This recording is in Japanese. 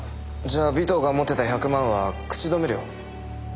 じゃあ尾藤が持ってた１００万は口止め料？